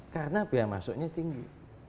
karena biaya masuknya tinggi